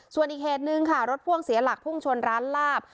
ส่วนอีกเหตุหนึ่งค่ะรถพ่วงเสียหลักพุ่งชนร้านลาบ